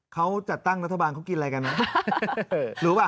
เขาจัดตั้งรัฐบาลเค้ากินอะไรกันรึ